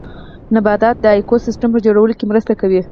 نباتات د ايکوسيستم په جوړولو کې مرسته کوي